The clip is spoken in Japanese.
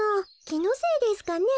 きのせいですかね？